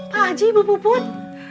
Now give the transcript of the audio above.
pak haji bu put